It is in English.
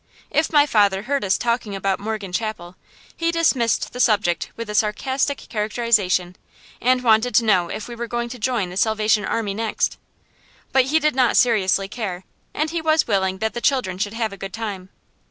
If my father heard us talking about Morgan Chapel, he dismissed the subject with a sarcastic characterization, and wanted to know if we were going to join the Salvation Army next; but he did not seriously care, and he was willing that the children should have a good time.